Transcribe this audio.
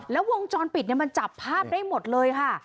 แล้ววงจรปิดมันจับภาพได้หมดเลยค่ะ